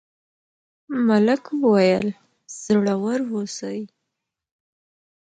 ملک وویل زړور اوسئ.